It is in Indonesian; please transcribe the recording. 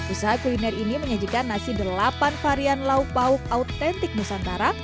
usaha kuliner ini menyajikan nasi delapan varian lauk lauk autentik nusantara